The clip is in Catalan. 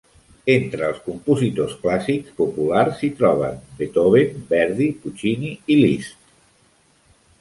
Entre els compositors clàssics populars s'hi troben Beethoven, Verdi, Puccini i Liszt.